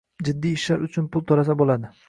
jiddiy ishlar uchun pul to‘lasa bo‘ladi.